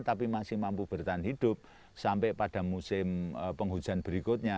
tapi masih mampu bertahan hidup sampai pada musim penghujan berikutnya